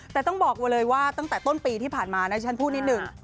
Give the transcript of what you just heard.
แต่ต้องบอกไว้เลยว่าตั้งแต่ต้นปีที่ผ่านมานะฉันพูดนิดหนึ่ง